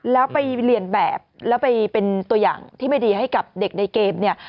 แล้วไปเรียนแบบแล้วไปเป็นตัวอย่างที่ไม่ดีให้กับเด็กในเกมเนี่ย